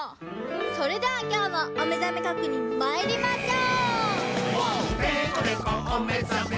それではきょうもおめざめ確認まいりましょう！